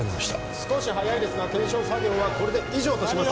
少し早いですが検証作業はこれで以上とします